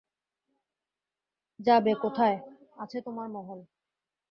যাবে কোথায়, আছে তোমার মহল।